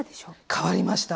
変わりました。